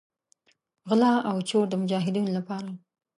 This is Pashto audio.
غلا او چور د مجاهدینو لپاره.